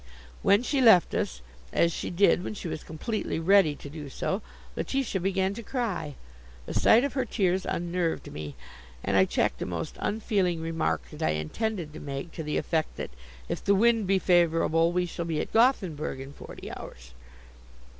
When she left us, as she did when she was completely ready to do so, Letitia began to cry. The sight of her tears unnerved me, and I checked a most unfeeling remark that I intended to make to the effect that, "if the wind be favorable, we shall be at Gothenburg in forty hours."